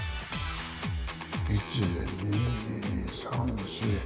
１２３４。